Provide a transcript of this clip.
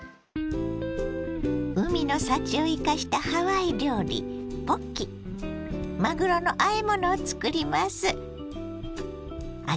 海の幸を生かしたハワイ料理まぐろのあえ物を作ります。